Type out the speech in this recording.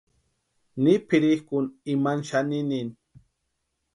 Ni pʼirhikʼuni imani xaninini.